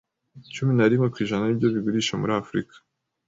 cumi na rimwe kwijana by’ibyo bagurisha muri Afurika